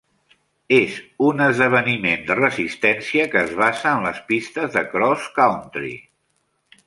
És una esdeveniment de resistència que es basa en les pistes de cross-country.